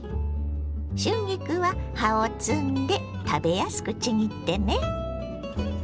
春菊は葉を摘んで食べやすくちぎってね。